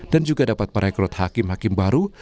dan juga dapat merekrut hakim hakim baru